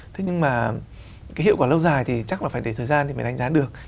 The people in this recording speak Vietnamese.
thế nhưng mà cái hiệu quả lâu dài thì chắc là phải để thời gian để đánh giá được